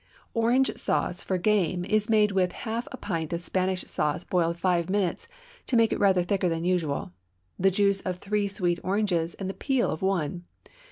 Orange sauce for game is made with half a pint of Spanish sauce boiled five minutes to make it rather thicker than usual, the juice of three sweet oranges, and the peel of one.